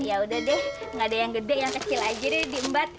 yaudah deh gak ada yang gede yang kecil aja nih diembat